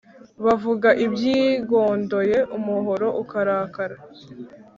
Bavuga ibyigondoye umuhoro ukarakara.